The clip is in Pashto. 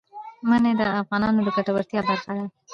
منی د افغانانو د ګټورتیا برخه ده.